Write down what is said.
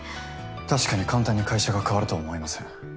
確かに簡単に会社が変わるとは思いません。